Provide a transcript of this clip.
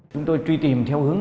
chúng tôi truy tìm theo hướng